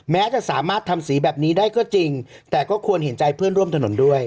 แม้จะสามารถทำสีแบบนี้ได้ก็จริงแต่ก็ควรเห็นใจเพื่อนร่วมถนนด้วย